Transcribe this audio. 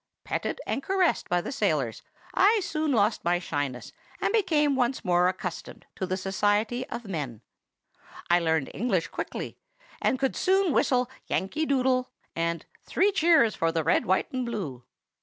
Petted and caressed by the sailors, I soon lost my shyness, and became once more accustomed to the society of men. I learned English quickly, and could soon whistle 'Yankee Doodle' and 'Three Cheers for the Red, White, and Blue.